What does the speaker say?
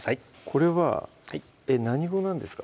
これは何語なんですか？